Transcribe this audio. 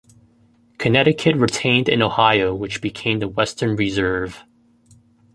Connecticut retained in Ohio which became the "Western Reserve".